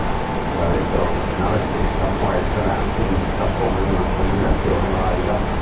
La lettera originale stessa può anche essere vista come una combinazione valida.